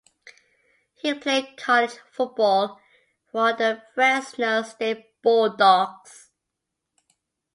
He played college football for the Fresno State Bulldogs.